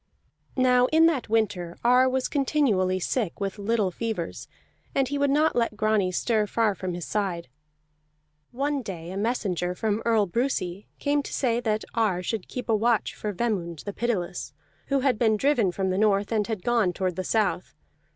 Now in that winter Ar was continually sick with little fevers, and he would not let Grani stir far from his side. One day a messenger from Earl Brusi came to say that Ar should keep a watch for Vemund the Pitiless, who had been driven from the north, and had gone toward the south.